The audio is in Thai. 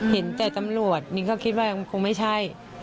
เห็นแต่ตำรวจมิ้นก็คิดว่าคงไม่ใช่